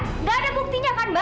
tidak ada buktinya kan mbak